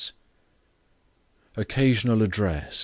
[OCCASIONAL ADDRESS.